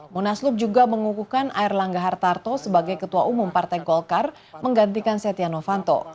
munaslup juga mengukuhkan air langga hartarto sebagai ketua umum partai golkar menggantikan setia novanto